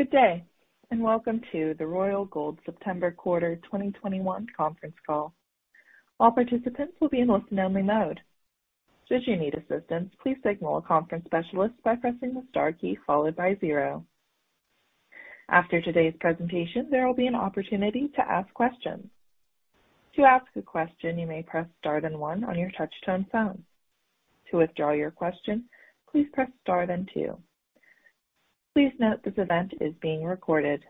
Good day, welcome to the Royal Gold September quarter 2021 conference call. All participants will be in listen-only mode. Should you need assistance, please signal a conference specialist by pressing the star key followed by zero. After today's presentation, there will be an opportunity to ask questions. To ask a question, you may press star then one on your touch-tone phone. To withdraw your question, please press star then two. Please note this event is being recorded.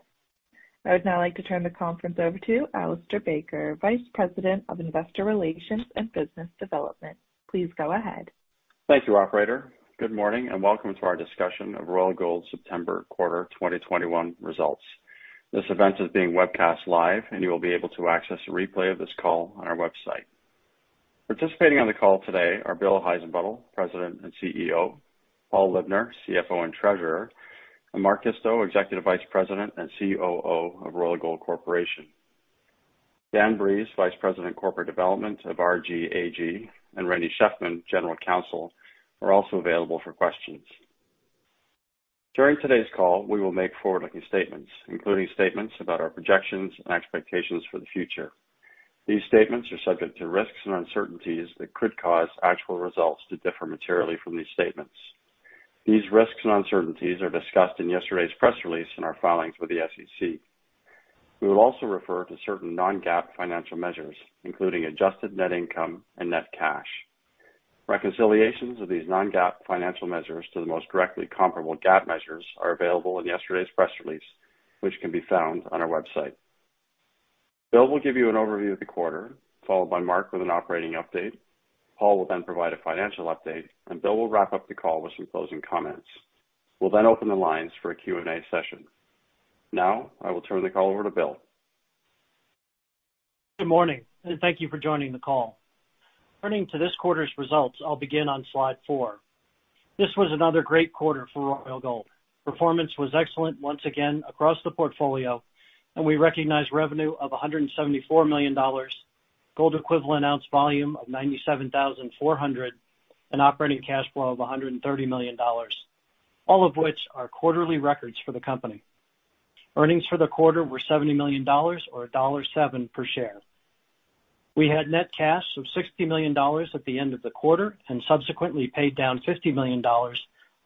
I would now like to turn the conference over to Alistair Baker, Vice President of Investor Relations and Business Development. Please go ahead. Thank you, operator. Good morning, and welcome to our discussion of Royal Gold September quarter 2021 results. This event is being webcast live, and you will be able to access a replay of this call on our website. Participating on the call today are William Heissenbuttel, President and CEO, Paul Libner, CFO and Treasurer, and Mark Isto, Executive Vice President and COO of Royal Gold Corporation. Daniel Breeze, Vice President Corporate Development of RGLD Gold AG, and Randy Shefman, General Counsel, are also available for questions. During today's call, we will make forward-looking statements, including statements about our projections and expectations for the future. These statements are subject to risks and uncertainties that could cause actual results to differ materially from these statements. These risks and uncertainties are discussed in yesterday's press release in our filings with the SEC. We will also refer to certain non-GAAP financial measures, including adjusted net income and net cash. Reconciliations of these non-GAAP financial measures to the most directly comparable GAAP measures are available in yesterday's press release, which can be found on our website. Bill will give you an overview of the quarter, followed by Mark with an operating update. Paul will then provide a financial update, and Bill will wrap up the call with some closing comments. We'll then open the lines for a Q&A session. Now, I will turn the call over to Bill. Good morning, thank you for joining the call. Turning to this quarter's results, I will begin on slide four. This was another great quarter for Royal Gold. Performance was excellent once again across the portfolio, and we recognized revenue of $174 million, gold equivalent ounce volume of 97,400, and operating cash flow of $130 million, all of which are quarterly records for the company. Earnings for the quarter were $70 million or $1.07 per share. We had net cash of $60 million at the end of the quarter and subsequently paid down $50 million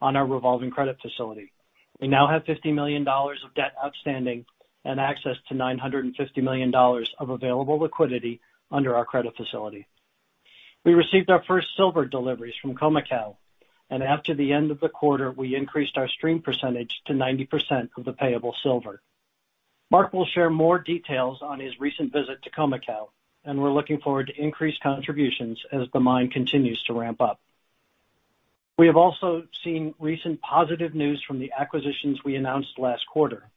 on our revolving credit facility. We now have $50 million of debt outstanding and access to $950 million of available liquidity under our credit facility. We received our first silver deliveries from Khoemacau, and after the end of the quarter, we increased our stream percentage to 90% of the payable silver. Mark will share more details on his recent visit to Khoemacau, we're looking forward to increased contributions as the mine continues to ramp up. We have also seen recent positive news from the acquisitions we announced last quarter.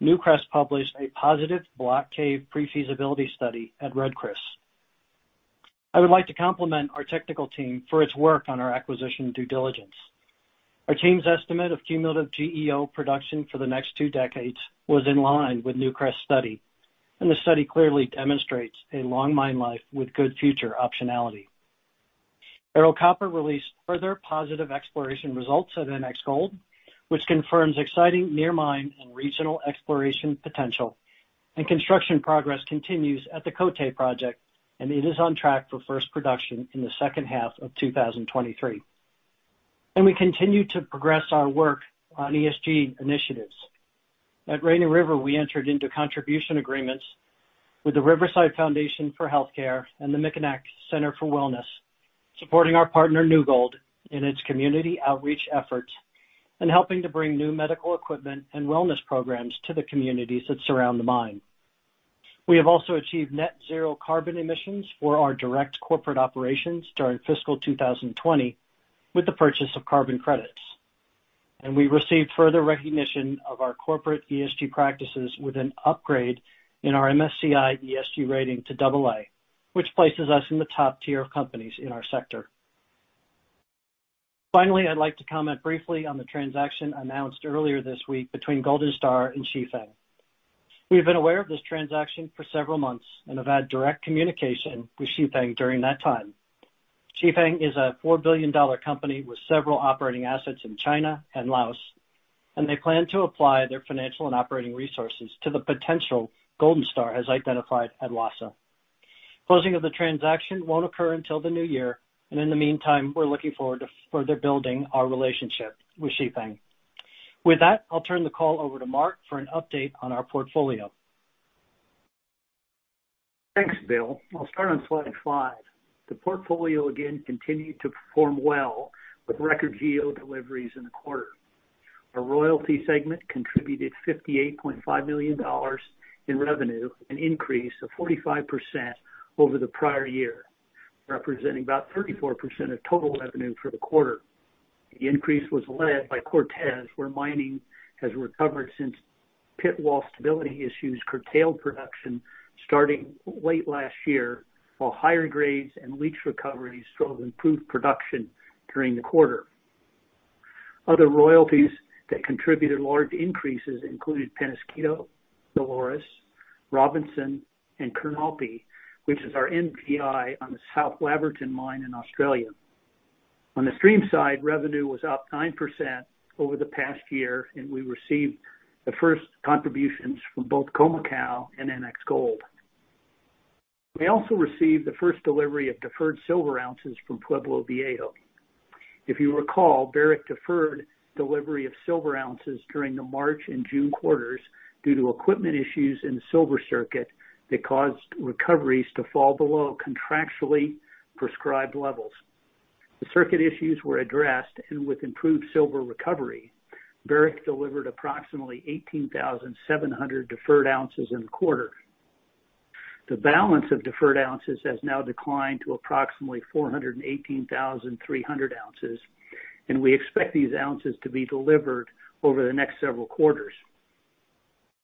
Newcrest published a positive block cave pre-feasibility study at Red Chris. I would like to compliment our technical team for its work on our acquisition due diligence. Our team's estimate of cumulative GEO production for the next two decades was in line with Newcrest study, the study clearly demonstrates a long mine life with good future optionality. Ero Copper released further positive exploration results at NX Gold, which confirms exciting near mine and regional exploration potential, construction progress continues at the Coté project, it is on track for first production in the second half of 2023. We continue to progress our work on ESG initiatives. At Rainy River, we entered into contribution agreements with the Riverside Foundation for Health Care and the Mackinac Center for Wellness, supporting our partner, New Gold, in its community outreach efforts and helping to bring new medical equipment and wellness programs to the communities that surround the mine. We have also achieved net zero carbon emissions for our direct corporate operations during fiscal 2020 with the purchase of carbon credits. We received further recognition of our corporate ESG practices with an upgrade in our MSCI ESG rating to double A, which places us in the top tier of companies in our sector. Finally, I'd like to comment briefly on the transaction announced earlier this week between Golden Star and Chifeng Jilong Gold Mining. We have been aware of this transaction for several months and have had direct communication with Chifeng Jilong Gold Mining during that time. Chifeng is a $4 billion company with several operating assets in China and Laos, and they plan to apply their financial and operating resources to the potential Golden Star has identified at Wassa. Closing of the transaction won't occur until the new year, and in the meantime, we're looking forward to further building our relationship with Chifeng. With that, I'll turn the call over to Mark for an update on our portfolio. Thanks, Bill. I'll start on slide five. The portfolio again continued to perform well with record GEO deliveries in the quarter. Our royalty segment contributed $58.5 million in revenue, an increase of 45% over the prior year, representing about 34% of total revenue for the quarter. The increase was led by Cortez, where mining has recovered since pit wall stability issues curtailed production starting late last year, while higher grades and leach recoveries drove improved production during the quarter. Other royalties that contributed large increases included Penasquito, Dolores- Robinson and Kurnopi, which is our NPI on the South Laverton Mine in Australia. On the stream side, revenue was up 9% over the past year, and we received the first contributions from both Khoemacau and NX Gold. We also received the first delivery of deferred silver ounces from Pueblo Viejo. If you recall, Barrick deferred delivery of silver ounces during the March and June quarters due to equipment issues in the silver circuit that caused recoveries to fall below contractually prescribed levels. The circuit issues were addressed, and with improved silver recovery, Barrick delivered approximately 18,700 deferred ounces in the quarter. The balance of deferred ounces has now declined to approximately 418,300 ounces, and we expect these ounces to be delivered over the next several quarters.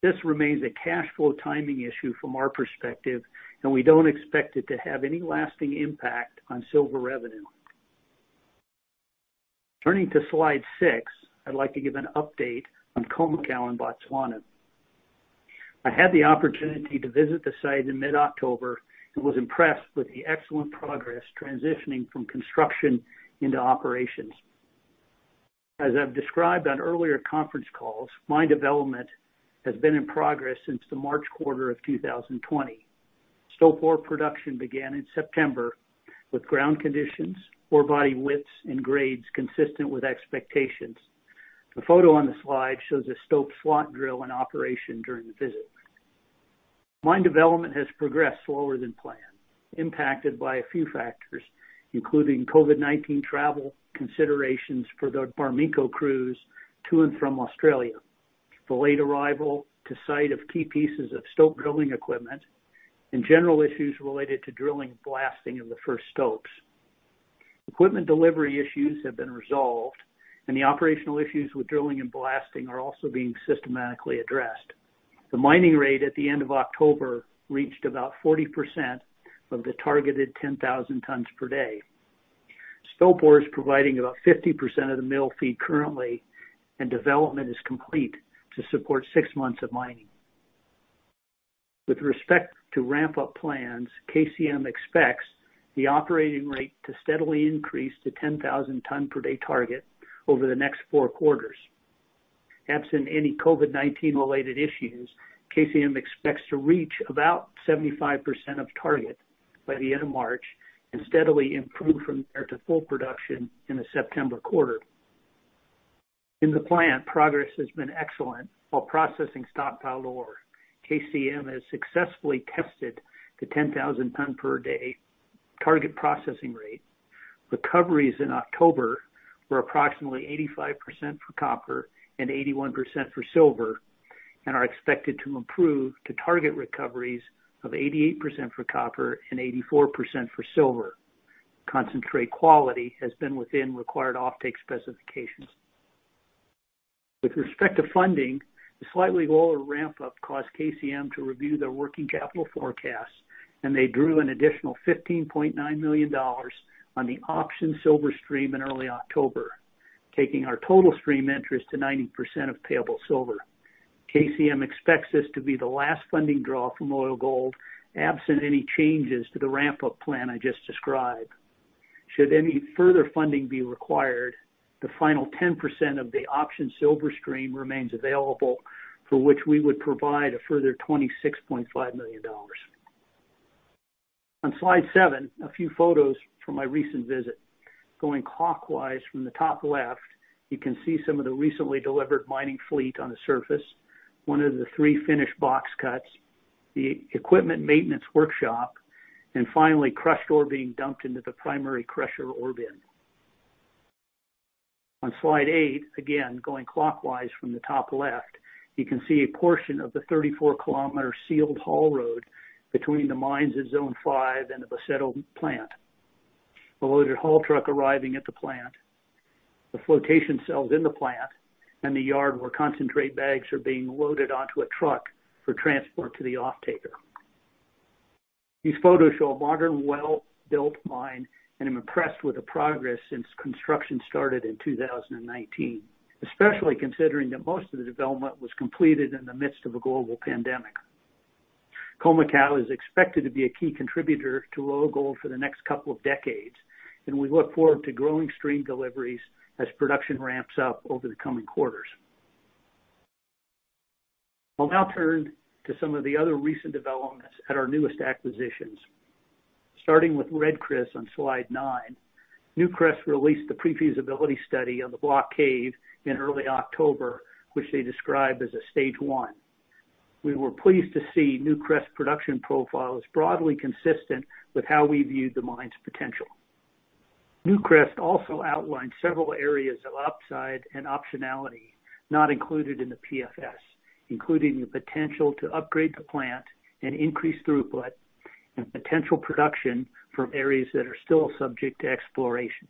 This remains a cash flow timing issue from our perspective, and we don't expect it to have any lasting impact on silver revenue. Turning to slide six, I'd like to give an update on Khoemacau in Botswana. I had the opportunity to visit the site in mid-October and was impressed with the excellent progress transitioning from construction into operations. As I've described on earlier conference calls, mine development has been in progress since the March quarter of 2020. Stope ore production began in September, with ground conditions, ore body widths, and grades consistent with expectations. The photo on the slide shows a stope slot drill in operation during the visit. Mine development has progressed slower than planned, impacted by a few factors, including COVID-19 travel considerations for the Barminco crews to and from Australia, delayed arrival to site of key pieces of stope drilling equipment, and general issues related to drilling blasting of the first stopes. Equipment delivery issues have been resolved, and the operational issues with drilling and blasting are also being systematically addressed. The mining rate at the end of October reached about 40% of the targeted 10,000 tons per day. Stope ore is providing about 50% of the mill feed currently, and development is complete to support six months of mining. With respect to ramp-up plans, KCM expects the operating rate to steadily increase to 10,000 ton per day target over the next four quarters. Absent any COVID-19 related issues, KCM expects to reach about 75% of target by the end of March and steadily improve from there to full production in the September quarter. In the plant, progress has been excellent while processing stockpiled ore. KCM has successfully tested the 10,000 ton per day target processing rate. Recoveries in October were approximately 85% for copper and 81% for silver and are expected to improve to target recoveries of 88% for copper and 84% for silver. Concentrate quality has been within required offtake specifications. With respect to funding, the slightly lower ramp-up caused KCM to review their working capital forecast, and they drew an additional $15.9 million on the option silver stream in early October, taking our total stream interest to 90% of payable silver. KCM expects this to be the last funding draw from Royal Gold, absent any changes to the ramp-up plan I just described. Should any further funding be required, the final 10% of the option silver stream remains available, for which we would provide a further $26.5 million. On slide seven, a few photos from my recent visit. Going clockwise from the top left, you can see some of the recently delivered mining fleet on the surface, one of the three finished box cuts, the equipment maintenance workshop, and finally, crushed ore being dumped into the primary crusher ore bin. On slide eight, again, going clockwise from the top left, you can see a portion of the 34-km sealed haul road between the mines at Zone 5 and the Boseto plant, a loaded haul truck arriving at the plant, the flotation cells in the plant, and the yard where concentrate bags are being loaded onto a truck for transport to the offtaker. These photos show a modern, well-built mine, and I'm impressed with the progress since construction started in 2019, especially considering that most of the development was completed in the midst of a global pandemic. Khoemacau is expected to be a key contributor to Royal Gold for the next couple of decades. We look forward to growing stream deliveries as production ramps up over the coming quarters. I'll now turn to some of the other recent developments at our newest acquisitions. Starting with Red Chris on slide nine, Newcrest released the pre-feasibility study on the block cave in early October, which they described as a stage 1. We were pleased to see Newcrest production profiles broadly consistent with how we viewed the mine's potential. Newcrest also outlined several areas of upside and optionality not included in the PFS, including the potential to upgrade the plant and increase throughput and potential production from areas that are still subject to exploration.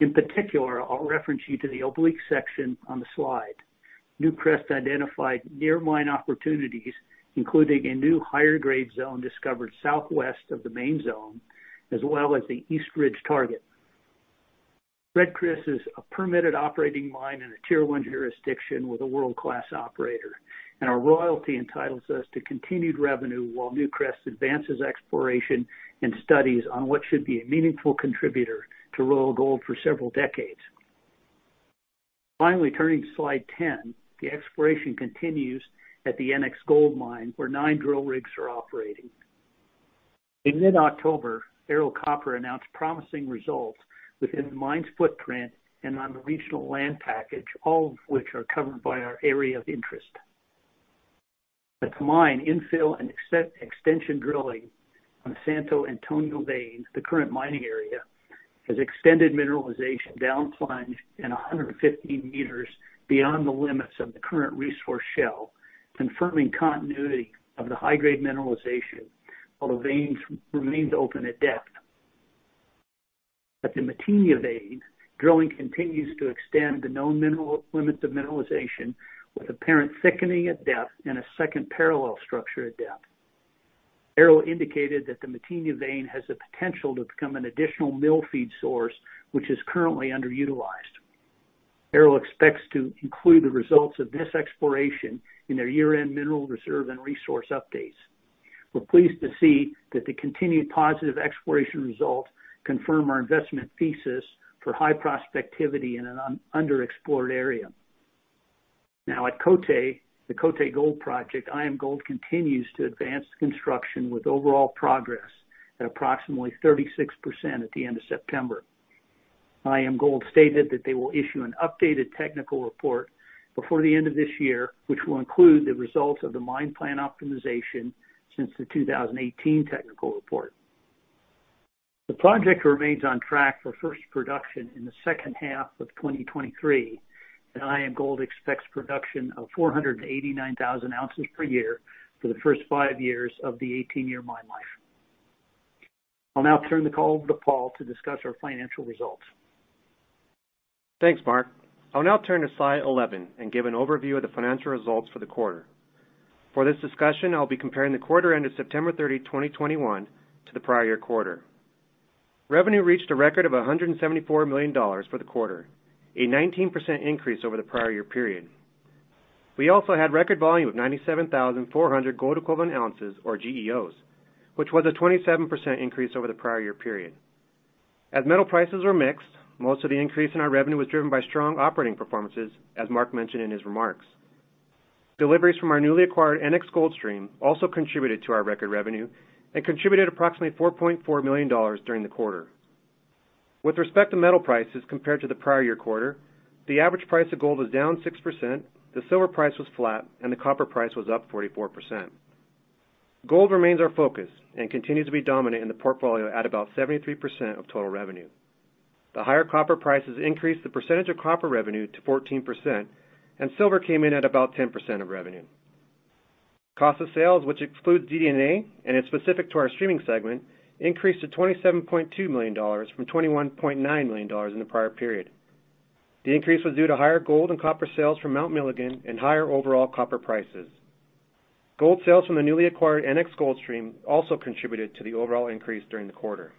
In particular, I'll reference you to the oblique section on the slide. Newcrest identified near mine opportunities, including a new higher grade zone discovered southwest of the main zone, as well as the East Ridge target. Red Chris is a permitted operating mine in a Tier 1 jurisdiction with a world-class operator, and our royalty entitles us to continued revenue while Newcrest advances exploration and studies on what should be a meaningful contributor to Royal Gold for several decades. Finally, turning to slide 10, the exploration continues at the NX Gold Mine, where nine drill rigs are operating. In mid-October, Ero Copper announced promising results within the mine's footprint and on the regional land package, all of which are covered by our area of interest. At the mine, infill and extension drilling on the Santo Antonio vein, the current mining area, has extended mineralization down plunge and 150 m beyond the limits of the current resource shell, confirming continuity of the high-grade mineralization, while the veins remained open at depth. At the Matinha vein, drilling continues to extend the known limits of mineralization with apparent thickening at depth and a second parallel structure at depth. Ero indicated that the Matinha vein has the potential to become an additional mill feed source, which is currently underutilized. Arrow expects to include the results of this exploration in their year-end mineral reserve and resource updates. We're pleased to see that the continued positive exploration results confirm our investment thesis for high prospectivity in an underexplored area. Now at Côté, the Côté Gold Project, IAMGOLD continues to advance the construction with overall progress at approximately 36% at the end of September. IAMGOLD stated that they will issue an updated technical report before the end of this year, which will include the results of the mine plan optimization since the 2018 technical report. The project remains on track for first production in the second half of 2023, and IAMGOLD expects production of 489,000 oz per year for the first five years of the 18-year mine life. I'll now turn the call over to Paul to discuss our financial results. Thanks, Mark. I'll now turn to slide 11 and give an overview of the financial results for the quarter. For this discussion, I'll be comparing the quarter ended September 30, 2021 to the prior year quarter. Revenue reached a record of $174 million for the quarter, a 19% increase over the prior year period. We also had record volume of 97,400 gold equivalent oz, or GEOs, which was a 27% increase over the prior year period. As metal prices were mixed, most of the increase in our revenue was driven by strong operating performances, as Mark mentioned in his remarks. Deliveries from our newly acquired NX Gold stream also contributed to our record revenue and contributed approximately $4.4 million during the quarter. With respect to metal prices compared to the prior year quarter, the average price of gold was down 6%, the silver price was flat, and the copper price was up 44%. Gold remains our focus and continues to be dominant in the portfolio at about 73% of total revenue. The higher copper prices increased the percentage of copper revenue to 14%, and silver came in at about 10% of revenue. Cost of sales, which excludes DD&A and is specific to our streaming segment, increased to $27.2 million from $21.9 million in the prior period. The increase was due to higher gold and copper sales from Mount Milligan and higher overall copper prices. Gold sales from the newly acquired NX Gold stream also contributed to the overall increase during the quarter.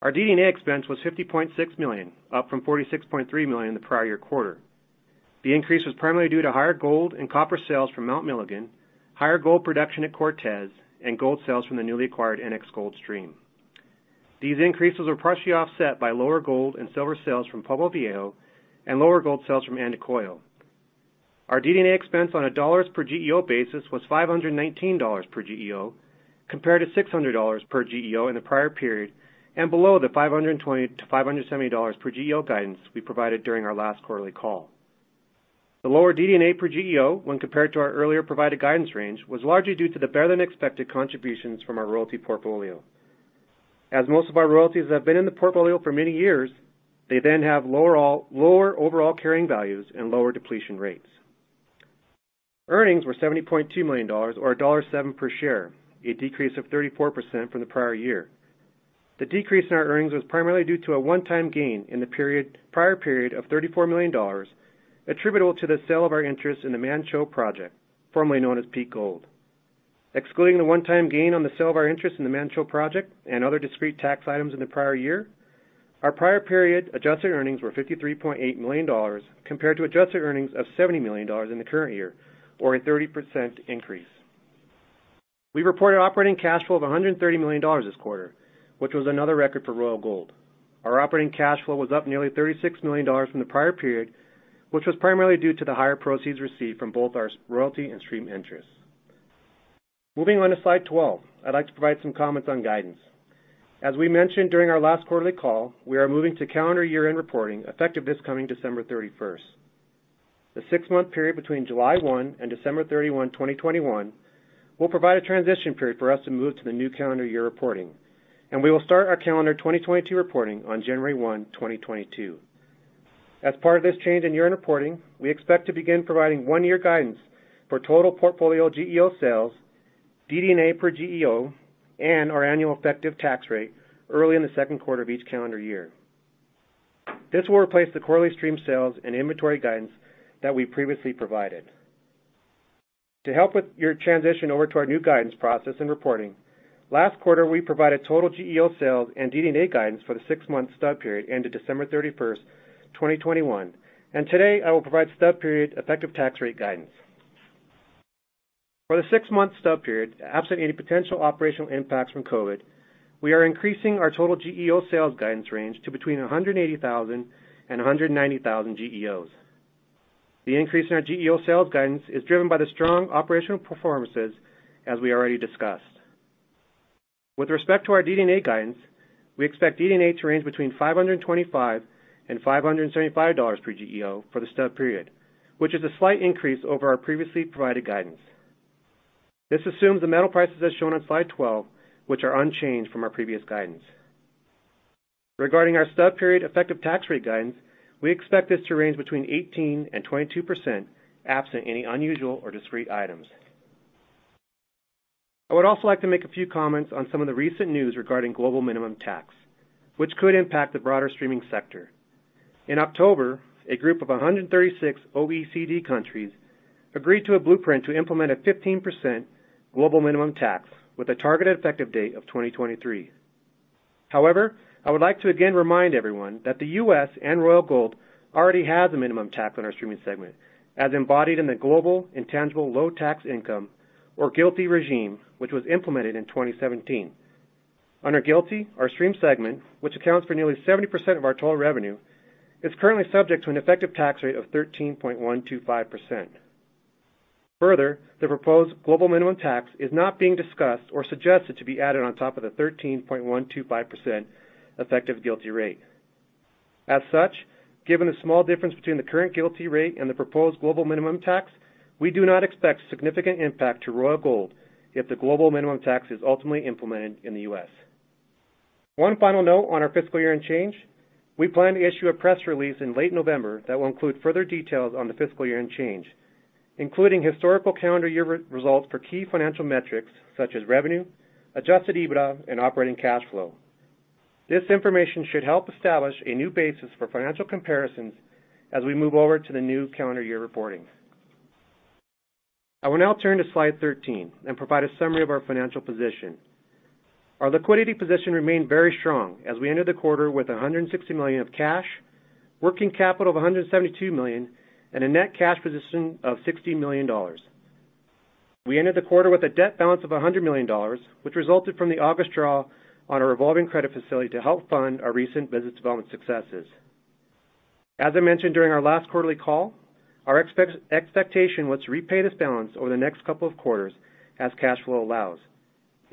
Our DD&A expense was $50.6 million, up from $46.3 million the prior year quarter. The increase was primarily due to higher gold and copper sales from Mount Milligan, higher gold production at Cortez, and gold sales from the newly acquired NX Gold stream. These increases were partially offset by lower gold and silver sales from Pueblo Viejo and lower gold sales from Andacollo. Our DD&A expense on a dollars per GEO basis was $519 per GEO compared to $600 per GEO in the prior period and below the $520-$570 per GEO guidance we provided during our last quarterly call. The lower DD&A per GEO when compared to our earlier provided guidance range was largely due to the better-than-expected contributions from our royalty portfolio. As most of our royalties have been in the portfolio for many years, they then have lower overall carrying values and lower depletion rates. Earnings were $70.2 million or $1.07 per share, a decrease of 34% from the prior year. The decrease in our earnings was primarily due to a one-time gain in the prior period of $34 million attributable to the sale of our interest in the Manh Choh project, formerly known as Peak Gold. Excluding the one-time gain on the sale of our interest in the Manh Choh project and other discrete tax items in the prior year, our prior period adjusted earnings were $53.8 million compared to adjusted earnings of $70 million in the current year, or a 30% increase. We reported operating cash flow of $130 million this quarter, which was another record for Royal Gold. Our operating cash flow was up nearly $36 million from the prior period, which was primarily due to the higher proceeds received from both our royalty and stream interests. Moving on to slide 12, I'd like to provide some comments on guidance. As we mentioned during our last quarterly call, we are moving to calendar year-end reporting effective this coming December 31st. The six-month period between July 1 and December 31, 2021 will provide a transition period for us to move to the new calendar year reporting. We will start our calendar 2022 reporting on January 1, 2022. As part of this change in year-end reporting, we expect to begin providing one-year guidance for total portfolio GEO sales, DD&A per GEO, and our annual effective tax rate early in the second quarter of each calendar year. This will replace the quarterly stream sales and inventory guidance that we previously provided. To help with your transition over to our new guidance process and reporting, last quarter, we provided total GEO sales and DD&A guidance for the six-month stub period into December 31, 2021. Today, I will provide stub-period effective tax rate guidance. For the six-month stub period, absent any potential operational impacts from COVID-19, we are increasing our total GEO sales guidance range to between 180,000 and 190,000 GEOs. The increase in our GEO sales guidance is driven by the strong operational performances, as we already discussed. With respect to our DD&A guidance, we expect DD&A to range between $525 and $575 per GEO for the stub period, which is a slight increase over our previously provided guidance. This assumes the metal prices as shown on slide 12, which are unchanged from our previous guidance. Regarding our stub-period effective tax rate guidance, we expect this to range between 18% and 22%, absent any unusual or discrete items. I would also like to make a few comments on some of the recent news regarding global minimum tax, which could impact the broader streaming sector. In October, a group of 136 OECD countries agreed to a blueprint to implement a 15% global minimum tax with a targeted effective date of 2023. However, I would like to again remind everyone that the U.S. and Royal Gold already have a minimum tax on our streaming segment, as embodied in the Global Intangible Low-Tax Income, or GILTI regime, which was implemented in 2017. Under GILTI, our stream segment, which accounts for nearly 70% of our total revenue, is currently subject to an effective tax rate of 13.125%. Further, the proposed global minimum tax is not being discussed or suggested to be added on top of the 13.125% effective GILTI rate. As such, given the small difference between the current GILTI rate and the proposed global minimum tax, we do not expect significant impact to Royal Gold if the global minimum tax is ultimately implemented in the U.S. One final note on our fiscal year-end change. We plan to issue a press release in late November that will include further details on the fiscal year-end change, including historical calendar year results for key financial metrics such as revenue, adjusted EBITDA, and operating cash flow. This information should help establish a new basis for financial comparisons as we move over to the new calendar year reporting. I will now turn to slide 13 and provide a summary of our financial position. Our liquidity position remained very strong as we ended the quarter with $160 million of cash, working capital of $172 million, and a net cash position of $60 million. We ended the quarter with a debt balance of $100 million, which resulted from the August draw on a revolving credit facility to help fund our recent business development successes. As I mentioned during our last quarterly call, our expectation was to repay this balance over the next couple of quarters as cash flow allows.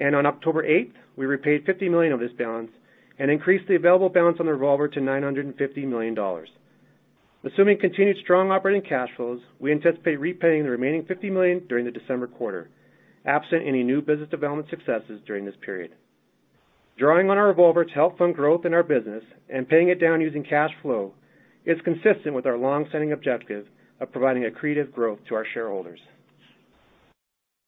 On October 8th, we repaid $50 million of this balance and increased the available balance on the revolver to $950 million. Assuming continued strong operating cash flows, we anticipate repaying the remaining $50 million during the December quarter, absent any new business development successes during this period. Drawing on our revolver to help fund growth in our business and paying it down using cash flow is consistent with our long-standing objective of providing accretive growth to our shareholders.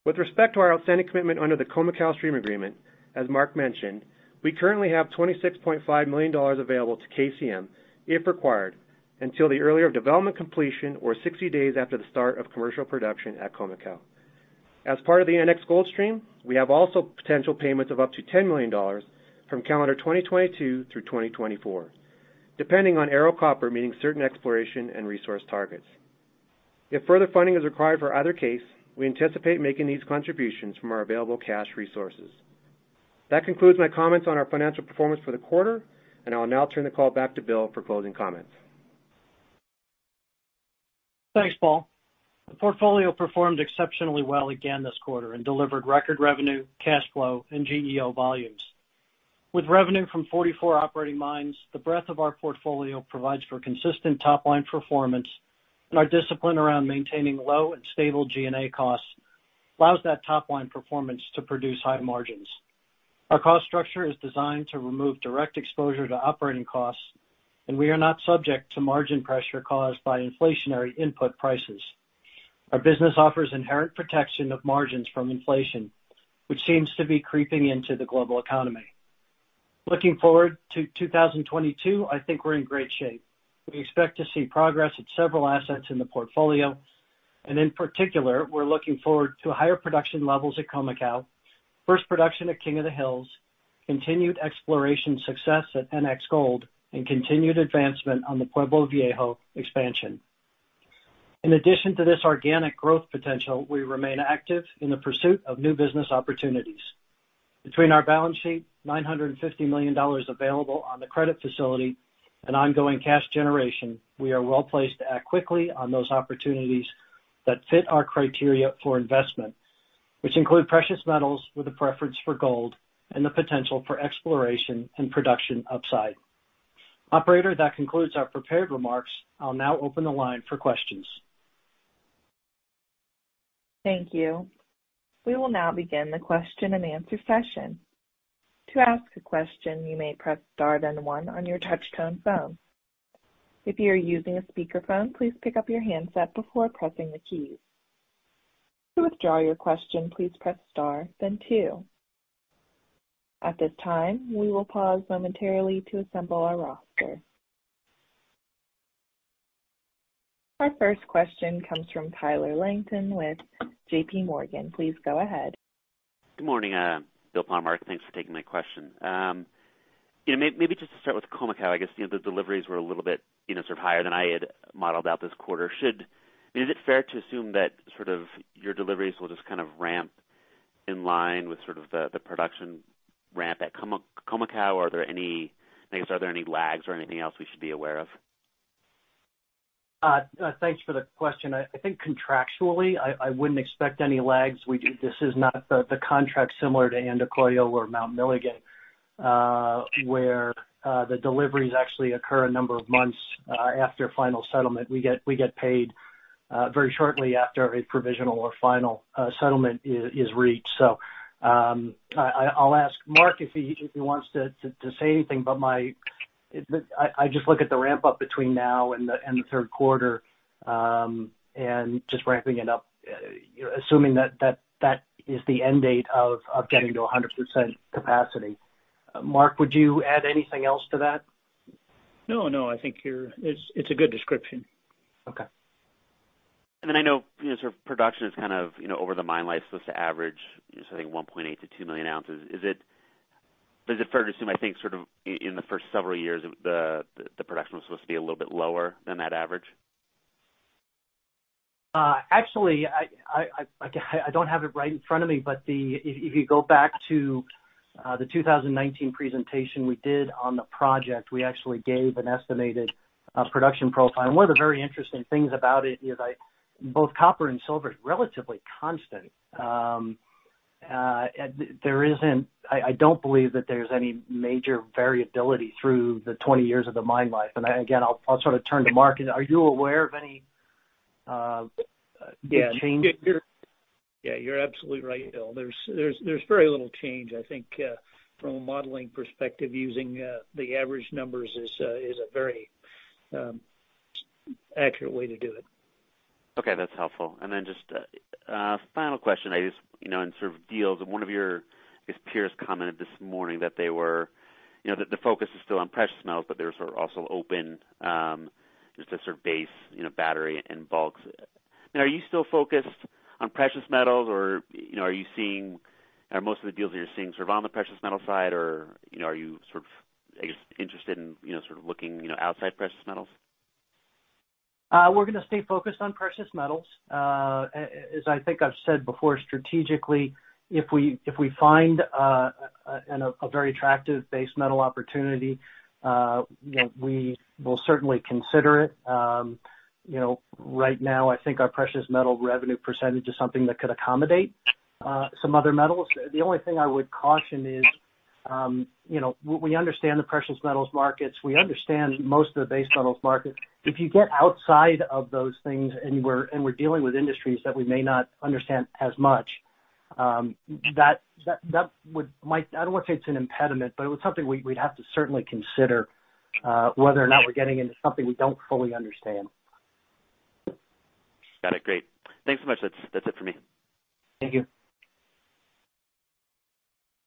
With respect to our outstanding commitment under the Khoemacau Stream Agreement, as Mark mentioned, we currently have $26.5 million available to KCM, if required, until the earlier of development completion or 60 days after the start of commercial production at Khoemacau. As part of the NX Gold stream, we have also potential payments of up to $10 million from calendar 2022 through 2024, depending on Ero Copper meeting certain exploration and resource targets. If further funding is required for either case, we anticipate making these contributions from our available cash resources. That concludes my comments on our financial performance for the quarter, and I will now turn the call back to Bill for closing comments. Thanks, Paul. The portfolio performed exceptionally well again this quarter and delivered record revenue, cash flow, and GEO volumes. With revenue from 44 operating mines, the breadth of our portfolio provides for consistent top-line performance, and our discipline around maintaining low and stable G&A costs allows that top-line performance to produce high margins. Our cost structure is designed to remove direct exposure to operating costs, and we are not subject to margin pressure caused by inflationary input prices. Our business offers inherent protection of margins from inflation, which seems to be creeping into the global economy. Looking forward to 2022, I think we're in great shape. We expect to see progress at several assets in the portfolio, and in particular, we're looking forward to higher production levels at Khoemacau, first production at King of the Hills, continued exploration success at NX Gold, and continued advancement on the Pueblo Viejo expansion. In addition to this organic growth potential, we remain active in the pursuit of new business opportunities. Between our balance sheet, $950 million available on the credit facility, and ongoing cash generation, we are well-placed to act quickly on those opportunities that fit our criteria for investment, which include precious metals with a preference for gold and the potential for exploration and production upside. Operator, that concludes our prepared remarks. I'll now open the line for questions. Thank you. We will now begin the question-and-answer session. To ask a question, you may press star then one on your touch-tone phone. If you are using speaker phone please pick up your hand before pressing any keys. To withdraw your question please press star then two. Please note this event being recorded. Then Our first question comes from Tyler Langton with JPMorgan. Please go ahead. Good morning, Bill. Thanks for taking my question. Maybe just to start with Khoemacau, I guess, the deliveries were a little bit higher than I had modeled out this quarter. Is it fair to assume that your deliveries will just kind of ramp in line with sort of the production ramp at Khoemacau? Are there any lags or anything else we should be aware of? Thanks for the question. I think contractually, I wouldn't expect any lags. This is not the contract similar to Andacollo or Mount Milligan, where the deliveries actually occur a number of months after final settlement. We get paid very shortly after a provisional or final settlement is reached. I'll ask Mark if he wants to say anything, but I just look at the ramp up between now and the third quarter, and just ramping it up, assuming that is the end date of getting to 100% capacity. Mark, would you add anything else to that? No, I think it's a good description. I know production is kind of over the mine life supposed to average, I think 1.8 to 2 million oz. Is it fair to assume, I think sort of in the first several years, the production was supposed to be a little bit lower than that average? Actually, I don't have it right in front of me, but if you go back to the 2019 presentation we did on the project, we actually gave an estimated production profile. One of the very interesting things about it is both copper and silver is relatively constant. I don't believe that there's any major variability through the 20 years of the mine life. Again, I'll sort of turn to Mark. Are you aware of any big change? Yeah, you're absolutely right, Bill. There's very little change. I think from a modeling perspective, using the average numbers is a very accurate way to do it. Okay. That's helpful. Then just a final question. In sort of deals, one of your, I guess, peers commented this morning that the focus is still on precious metals, but they're sort of also open just to sort of base battery and bulk. Are you still focused on precious metals or are most of the deals that you're seeing sort of on the precious metal side, or are you sort of, I guess, interested in sort of looking outside precious metals? We're going to stay focused on precious metals. As I think I've said before, strategically, if we find a very attractive base metal opportunity we will certainly consider it. Right now I think our precious metal revenue percentage is something that could accommodate some other metals. The only thing I would caution is, we understand the precious metals markets. We understand most of the base metals markets. If you get outside of those things, and we're dealing with industries that we may not understand as much, that might, I don't want to say it's an impediment, but it was something we'd have to certainly consider, whether or not we're getting into something we don't fully understand. Got it. Great. Thanks so much. That's it for me. Thank you.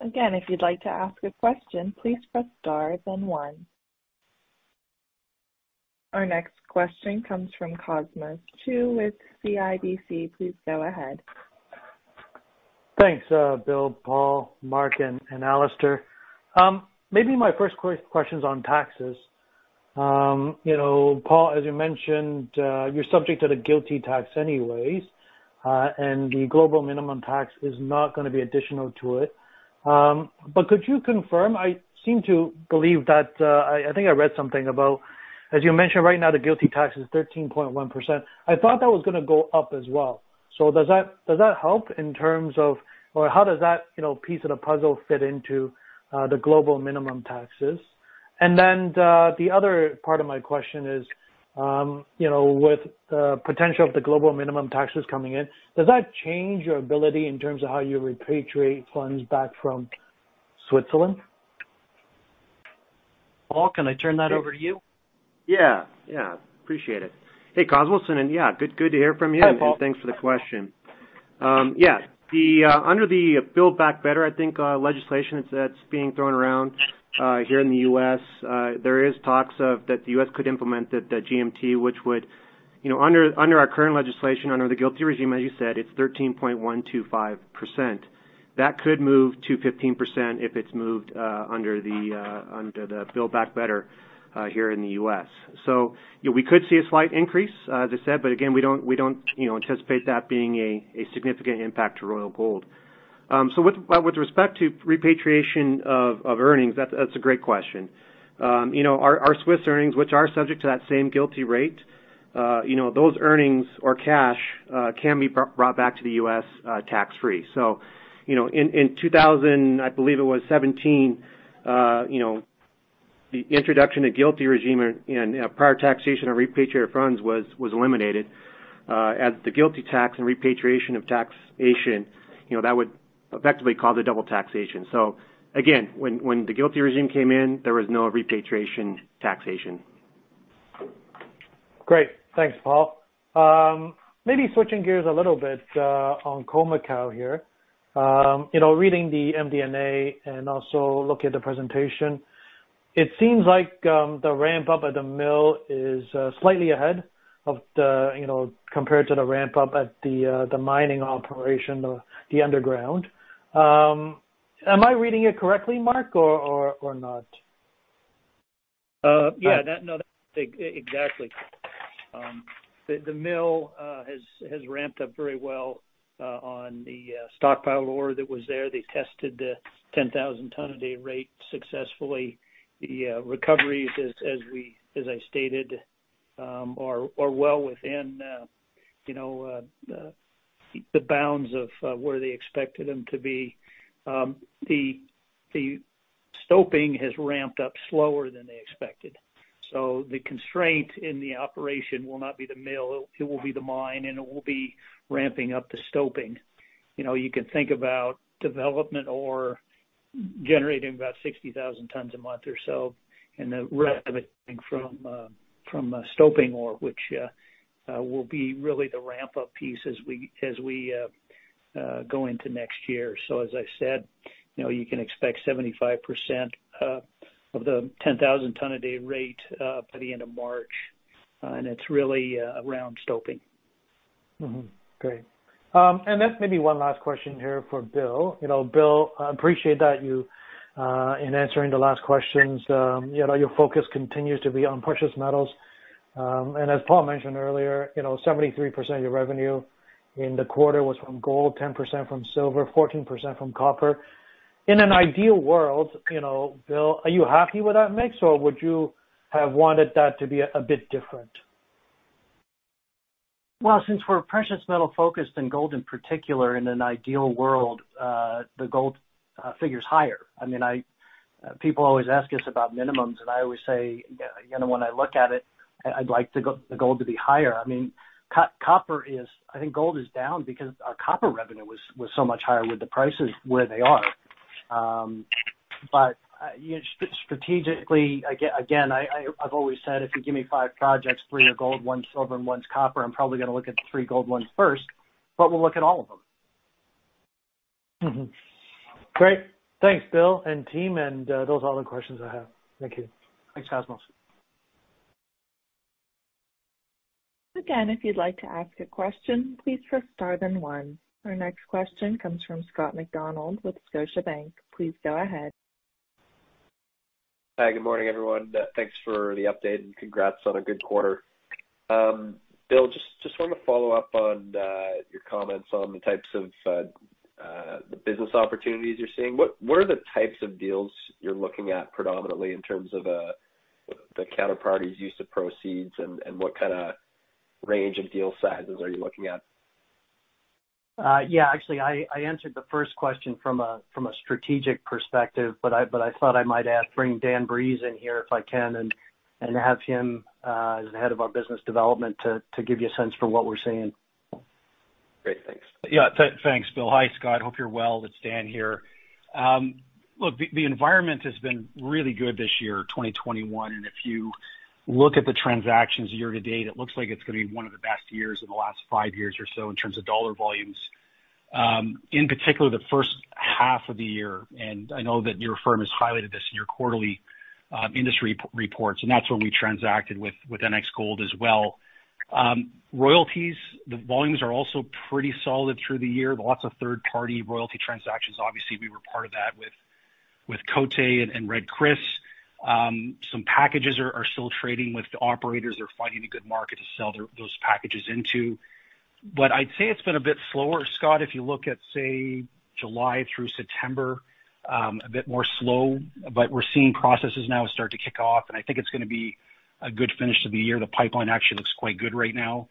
Again, if you'd like to ask a question, please press star then one. Our next question comes from Cosmos Chiu with CIBC. Please go ahead. Thanks, Bill, Paul, Mark, and Alistair. My first question's on taxes. Paul, as you mentioned, you're subject to the GILTI tax anyways, and the global minimum tax is not going to be additional to it. Could you confirm, I seem to believe that, I think I read something about, as you mentioned right now, the GILTI tax is 13.1%. I thought that was going to go up as well. Does that help in terms of, or how does that piece of the puzzle fit into the global minimum tax? The other part of my question is, with the potential of the global minimum tax coming in, does that change your ability in terms of how you repatriate funds back from Switzerland? Paul, can I turn that over to you? Yeah. Appreciate it. Hey, Cosmos. Yeah, good to hear from you. Hi, Paul. Thanks for the question. Yeah. Under the Build Back Better, I think, legislation that's being thrown around here in the U.S., there is talks of that the U.S. could implement the GMT. Under our current legislation, under the GILTI regime, as you said, it's 13.125%. That could move to 15% if it's moved under the Build Back Better here in the U.S. We could see a slight increase, as I said, but again, we don't anticipate that being a significant impact to Royal Gold. With respect to repatriation of earnings, that's a great question. Our Swiss earnings, which are subject to that same GILTI rate, those earnings or cash can be brought back to the U.S. tax free. In 2000, I believe it was 2017, the introduction of GILTI regime and prior taxation of repatriated funds was eliminated, as the GILTI tax and repatriation of taxation, that would effectively cause a double taxation. Again, when the GILTI regime came in, there was no repatriation taxation. Great. Thanks, Paul. Maybe switching gears a little bit on Khoemacau here. Reading the MD&A and also looking at the presentation, it seems like the ramp-up at the mill is slightly ahead compared to the ramp-up at the mining operation, the underground. Am I reading it correctly, Mark, or not? Exactly. The mill has ramped up very well on the stockpile ore that was there. They tested the 10,000 tons a day rate successfully. The recoveries, as I stated, are well within the bounds of where they expected them to be. The stoping has ramped up slower than they expected. The constraint in the operation will not be the mill, it will be the mine, and it will be ramping up the stoping. You can think about development or generating about 60,000 tons a month or so, and the rest of it from stoping ore, which will be really the ramp-up piece as we go into next year. As I said, you can expect 75% of the 10,000 tons a day rate by the end of March, and it's really around stoping. Great. Then maybe one last question here for Bill. Bill, I appreciate that you, in answering the last questions, your focus continues to be on precious metals. As Paul mentioned earlier, 73% of your revenue in the quarter was from gold, 10% from silver, 14% from copper. In an ideal world, Bill, are you happy with that mix, or would you have wanted that to be a bit different? Well, since we're precious metal focused, and gold in particular, in an ideal world, the gold figure is higher. People always ask us about minimums, and I always say, when I look at it, I'd like the gold to be higher. I think gold is down because our copper revenue was so much higher with the prices where they are. Strategically, again, I've always said, if you give me five projects, three are gold, one's silver and one's copper, I'm probably going to look at the three gold ones first, but we'll look at all of them. Great. Thanks, Bill and team. Those are all the questions I have. Thank you. Thanks, Cosmos. If you'd like to ask a question, please press star then one. Our next question comes from Scott MacDonald with Scotiabank. Please go ahead. Hi, good morning, everyone. Thanks for the update and congrats on a good quarter. Bill, just wanted to follow up on your comments on the types of the business opportunities you're seeing. What are the types of deals you're looking at predominantly in terms of the counterparties use of proceeds and what kind of range of deal sizes are you looking at? Yeah. Actually, I answered the first question from a strategic perspective, but I thought I might bring Daniel Breeze in here if I can, and have him as the head of our Business Development to give you a sense for what we're seeing. Great. Thanks. Yeah. Thanks, Bill. Hi, Scott. Hope you're well. It's Dan here. Look, the environment has been really good this year, 2021, and if you look at the transactions year-to-date, it looks like it's going to be one of the best years in the last five years or so in terms of dollar volumes. In particular, the first half of the year, and I know that your firm has highlighted this in your quarterly industry reports, and that's where we transacted with NX Gold as well. Royalties, the volumes are also pretty solid through the year. Lots of third-party royalty transactions. Obviously, we were part of that with Côté and Red Chris. Some packages are still trading with the operators. They're finding a good market to sell those packages into. I'd say it's been a bit slower, Scott, if you look at, say, July through September, a bit more slow, we're seeing processes now start to kick off, and I think it's going to be a good finish to the year. The pipeline actually looks quite good right now.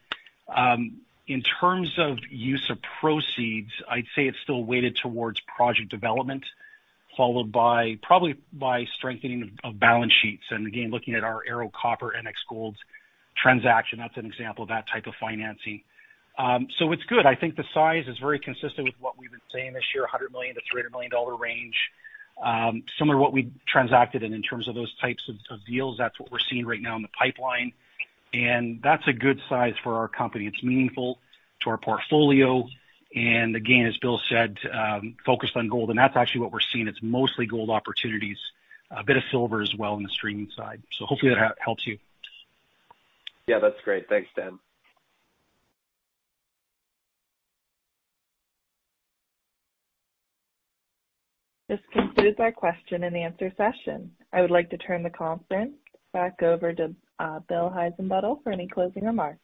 In terms of use of proceeds, I'd say it's still weighted towards project development, followed by, probably by strengthening of balance sheets. Again, looking at our Ero Copper, NX Gold's transaction, that's an example of that type of financing. It's good. I think the size is very consistent with what we've been seeing this year, $100 million-$300 million range. Similar to what we transacted in terms of those types of deals. That's what we're seeing right now in the pipeline, and that's a good size for our company. It's meaningful to our portfolio. Again, as Bill said, focused on gold, and that's actually what we're seeing. It's mostly gold opportunities, a bit of silver as well in the streaming side. Hopefully that helps you. Yeah, that's great. Thanks, Dan. This concludes our question and answer session. I would like to turn the conference back over to Bill Heissenbuttel for any closing remarks.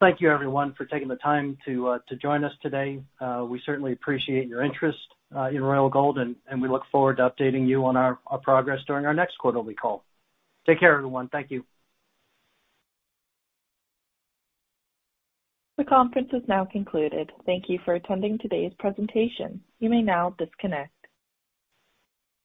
Thank you everyone for taking the time to join us today. We certainly appreciate your interest in Royal Gold and we look forward to updating you on our progress during our next quarterly call. Take care, everyone. Thank you. The conference is now concluded. Thank you for attending today's presentation. You may now disconnect.